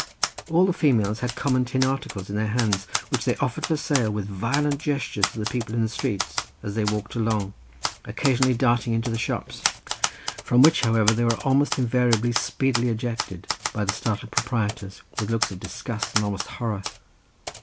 All the females had common tin articles in their hands which they offered for sale with violent gestures to the people in the streets, as they walked along, occasionally darting into the shops, from which, however, they were almost invariably speedily ejected by the startled proprietors, with looks of disgust and almost horror.